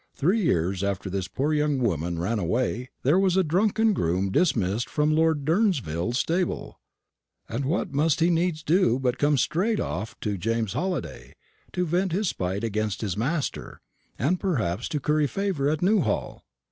Three years after this poor young woman ran away there was a drunken groom dismissed from Lord Durnsville's stable; and what must he needs do but come straight off to James Halliday, to vent his spite against his master, and perhaps to curry favour at Newhall.